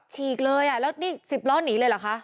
ฉีกเลยอ่ะแล้วนี่๑๐ล้อหนีเลยเหรอคะ